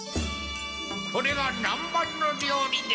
これが南ばんのりょうりです。